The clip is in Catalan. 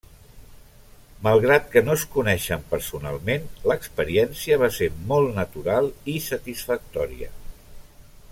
Malgrat que no es coneixien personalment, l'experiència va ser molt natural i satisfactòria.